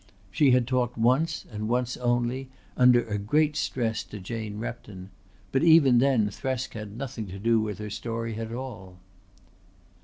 She had talked once, and once only, under a great stress to Jane Repton; but even then Thresk had nothing to do with her story at all.